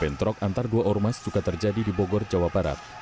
bentrok antar dua ormas juga terjadi di bogor jawa barat